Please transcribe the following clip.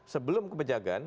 sebelum ke pejagan